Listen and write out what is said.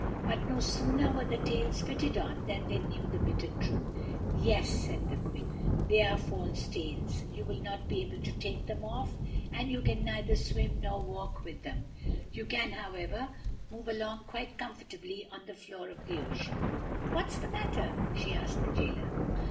But no sooner were the tails fitted on than they knew the bitter truth. "Yes," said the Queen "they are false tails. You will not be able to take them off, and you can neither swim nor walk with them. You can, however, move along quite comfortably on the floor of the ocean. What's the matter?" she asked the Jailer.